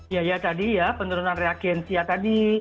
ya ya tadi ya penurunan reagensi ya tadi